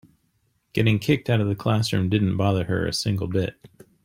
Getting kicked out of the classroom didn't bother her a single bit.